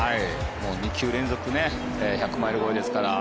２球連続１００マイル超えですから。